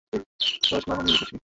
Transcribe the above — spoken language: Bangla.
বলেছিলাম আমি জিতেছি।